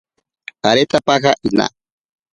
Aretapaja inaa.